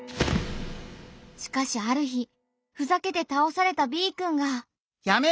しかしある日ふざけて倒されたＢくんが。